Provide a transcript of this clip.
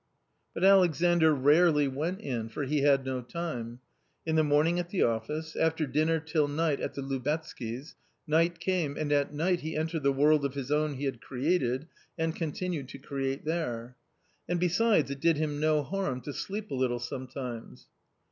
But Alexandr rarely went in, for he had no time; in the morning at the office, after dinner till night at the Lubet zkys ; night came, and at night he entered the " world of his own " he had created, and continued to create there. And besides it did him no harm to sleep a little sometimes.